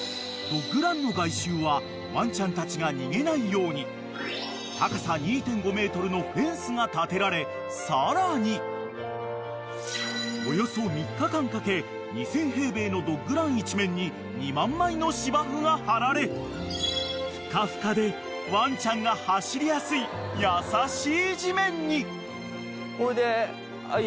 ［ドッグランの外周はワンちゃんたちが逃げないように高さ２．５ｍのフェンスが建てられさらにおよそ３日間かけ２，０００平米のドッグラン一面に２万枚の芝生が張られふかふかでワンちゃんが走りやすい優しい地面に］ほいで。